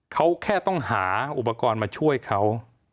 เขาแค่ต้องหาอุปกรณ์มาช่วยเขา